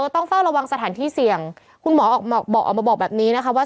ต้องเฝ้าระวังสถานที่เสี่ยงคุณหมอออกมาบอกออกมาบอกแบบนี้นะคะว่า